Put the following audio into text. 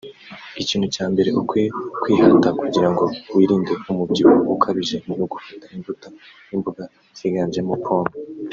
Ikintu cya mbere ukwiye kwihata kugira ngo wirinde umubyibuho ukabije ni ugufata imbuto n’imboga ziganjemo pomme